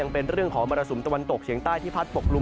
เป็นเรื่องของมรสุมตะวันตกเฉียงใต้ที่พัดปกลุ่ม